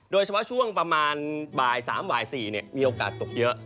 โดยเฉพาะช่วงประมาณบ่าย๓บ่าย๔มีโอกาสตกเยอะ